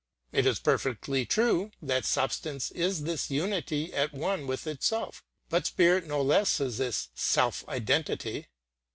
It is perfectly true that substance is this unity at one with itself, but spirit no less is this self identity.